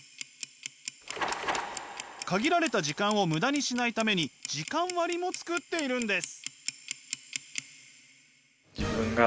限られた時間を無駄にしないために時間割も作っているんです。